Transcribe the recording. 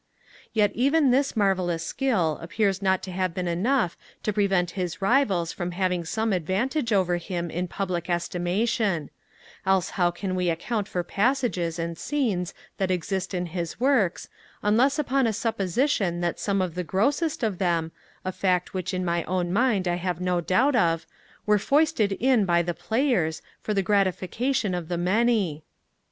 Yet even this marvellous skill appears not to have been enough to prevent his rivals from having some advantage over him in public estimation; else how can we account for passages and scenes that exist in his works, unless upon a supposition that some of the grossest of them, a fact which in my own mind I have no doubt of, were foisted in by the Players, for the gratification of the many?